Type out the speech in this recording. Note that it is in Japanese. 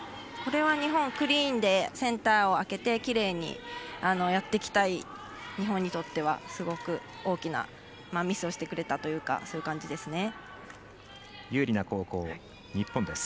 これは日本、クリーンでセンターを空けてきれいにやっていきたい日本にとってはすごく大きなミスをしてくれたという感じです。